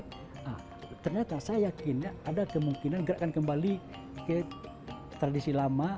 jadi ternyata saya yakin ada kemungkinan gerakan kembali ke tradisi lama